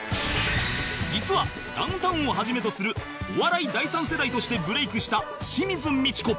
実はダウンタウンをはじめとするお笑い第３世代としてブレイクした清水ミチコ